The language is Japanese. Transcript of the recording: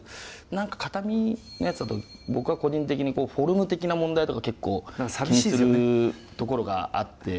何か片身のやつだと僕は個人的にフォルム的な問題とか結構気にするところがあって。